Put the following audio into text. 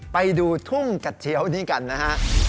ไปดูทุ่งกระเทียวนี้กันนะฮะ